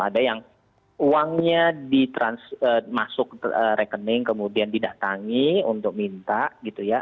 ada yang uangnya dimasuk rekening kemudian didatangi untuk minta gitu ya